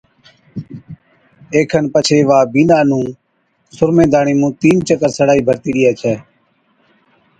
اي کن پڇي وا بِينڏا نُون سرمي داڻي مُون تين چڪر سڙائي ڀرتِي ڏيئي ڇَي